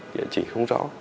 điện chỉ không rõ